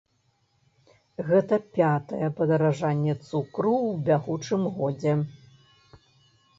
Гэта пятае падаражанне цукру ў бягучым годзе.